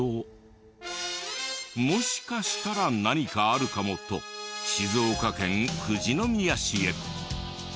もしかしたら何かあるかもと静岡県富士宮市へ。